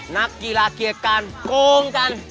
นักกีฬาเกียรติการโกงกัน